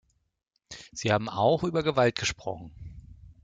Sie haben auch über Gewalt gesprochen.